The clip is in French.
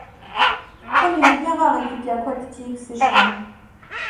Comme il vous plaira! répliqua Coictier sèchement.